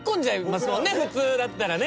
普通だったらね。